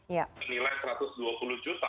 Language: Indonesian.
yang nilai rp satu ratus dua puluh juta